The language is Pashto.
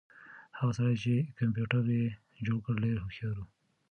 هغه سړی چې کمپیوټر یې جوړ کړ ډېر هوښیار و.